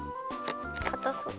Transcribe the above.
かたそう。